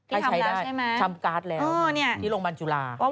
ที่ทำรับใช่ไหมอ๋อนี่ที่โรงพยาบาลจุฬา